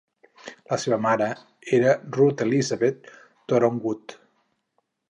La seva mare era Ruth Elizabeth Thorowgood.